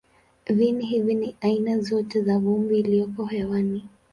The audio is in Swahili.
Viini hivi ni aina zote za vumbi iliyoko hewani.